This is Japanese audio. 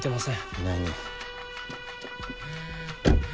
いないね。